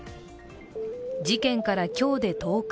事件から今日で１０日。